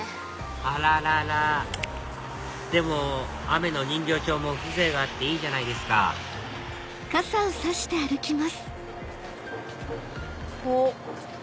あらららでも雨の人形町も風情があっていいじゃないですかおっ。